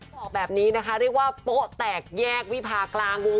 บอกแบบนี้นะคะเรียกว่าโป๊ะแตกแยกวิพากลางวง